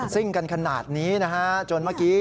ซึ่งขนาดนี้นะคะ